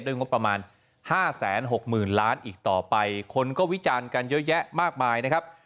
งบประมาณ๕๖๐๐๐ล้านอีกต่อไปคนก็วิจารณ์กันเยอะแยะมากมายนะครับ